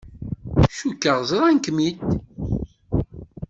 Cukkeɣ ẓran-kem-d.